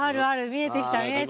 見えてきた見えてきた。